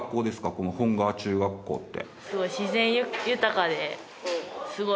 この本川中学校って。